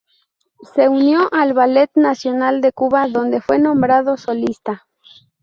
Se unió al Ballet Nacional de Cuba donde fue nombrado solista.